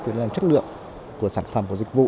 tương lai chất lượng của sản phẩm của dịch vụ